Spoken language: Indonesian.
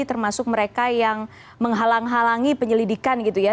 termasuk mereka yang menghalang halangi penyelidikan gitu ya